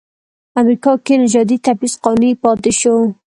امریکا کې نژادي تبعیض قانوني پاتې شو.